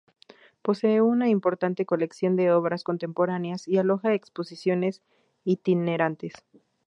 Posee una importante colección de obras contemporáneas y aloja exposiciones itinerantes.